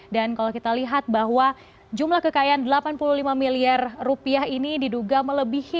dan kalau kita lihat bahwa jumlah kekayaan delapan puluh lima miliar rupiah ini diduga melebihi